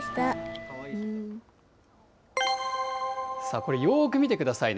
これ、よーく見てくださいね。